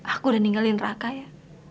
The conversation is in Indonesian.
aku udah ninggalin raka ya